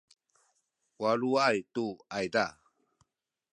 waluay tu ayza